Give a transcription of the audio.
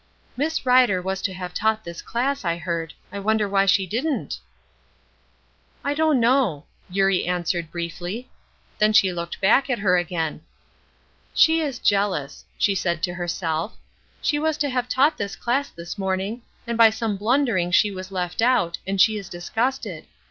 "Miss Rider was to have taught this class, I heard. I wonder why she didn't?" "I don't know," Eurie answered, briefly. Then she looked back at her again. "She is jealous," she said to herself. "She was to have taught this class this morning, and by some blundering she was left out, and she is disgusted.